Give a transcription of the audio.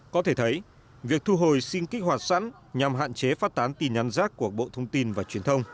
có thể thấy việc thu hồi xin kích hoạt sẵn nhằm hạn chế phát tán tin nhắn rác của bộ thông tin và truyền thông